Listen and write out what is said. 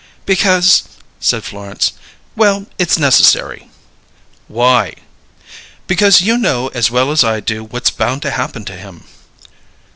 "Because " said Florence. "Well, it's necessary." "Why?" "Because you know as well as I do what's bound to happen to him!"